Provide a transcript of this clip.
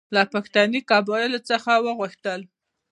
له پښتني قبایلو څخه وغوښتل.